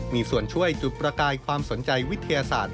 มีส่วนช่วยจุดประกายความสนใจวิทยาศาสตร์